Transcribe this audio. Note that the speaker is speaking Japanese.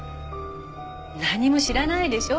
何も知らないでしょ？